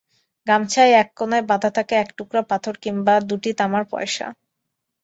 গামছার এক কোনায় বাঁধা থাকে এক টুকরা পাথর কিংবা দুটি তামার পয়সা।